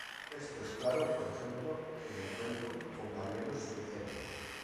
Esto es claro, por ejemplo, en el cuento "Compañeros de celda".